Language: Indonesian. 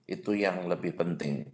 itu yang lebih penting